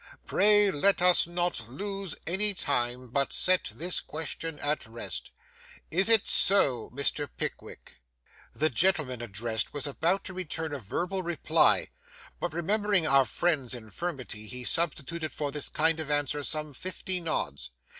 Pray let us not lose any time, but set this question at rest. Is it so, Mr. Pickwick?' The gentleman addressed was about to return a verbal reply, but remembering our friend's infirmity, he substituted for this kind of answer some fifty nods.